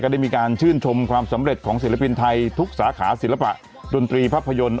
ได้มีการชื่นชมความสำเร็จของศิลปินไทยทุกสาขาศิลปะดนตรีภาพยนตร์